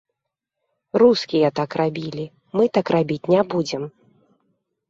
Рускія так рабілі, мы так рабіць не будзем.